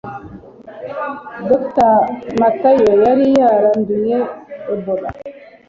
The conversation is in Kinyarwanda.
dr matayo yari yaranduye ebola